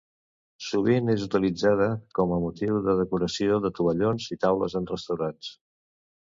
Sovint és utilitzada com a motiu de decoració de tovallons i taules en restaurants.